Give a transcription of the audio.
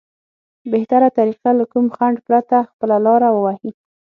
بهتره طريقه له کوم خنډ پرته خپله لاره ووهي.